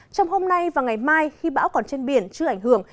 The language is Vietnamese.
trong hôm nay và ngày mai khi bão còn trên biển chưa ảnh hưởng